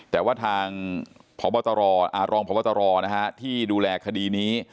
แต่ว่าทางพบรองพบตรที่ดูแลคดีนี้